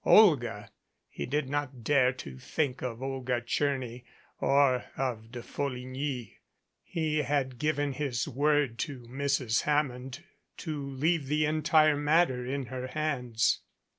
Olga he did not dare to think of Olga Tcherny or of De Folligny. He had given his word to Mrs. Hammond to leave the entire matter in her hands.